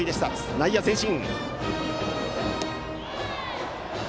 内野は前進。